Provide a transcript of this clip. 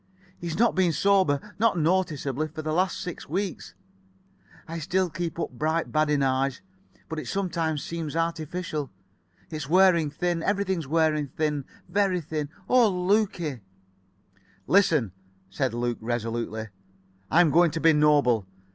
He's not been sober—not noticeably—for the last six weeks. I still keep up the bright badinage, but it sometimes seems artificial. It's wearing thin. Everything's wearing thin. Very thin. Oh Lukie!" "Listen," said Luke resolutely. "I'm going to be noble.